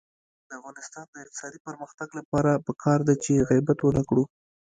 د افغانستان د اقتصادي پرمختګ لپاره پکار ده چې غیبت ونکړو.